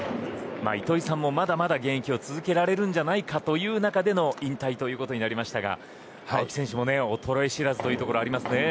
糸井さんもまだまだ現役を続けられるんじゃないかという中での引退ということになりましたが青木選手も衰え知らずのところがありますね。